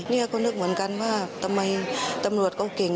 เนี่ยก็นึกเหมือนกันว่าทำไมตำรวจก็เก่ง